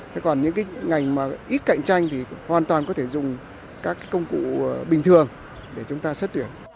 thế còn những cái ngành mà ít cạnh tranh thì hoàn toàn có thể dùng các công cụ bình thường để chúng ta xét tuyển